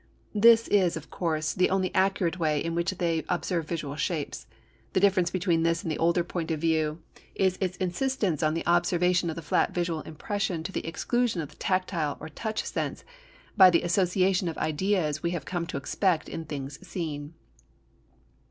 This is, of course, the only accurate way in which to observe visual shapes. The difference between this and the older point of view is its insistence on the observation of the flat visual impression to the exclusion of the tactile or touch sense that by the association of ideas we have come to expect in things seen.